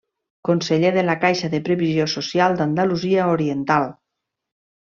Conseller de la Caixa de Previsió Social d'Andalusia Oriental.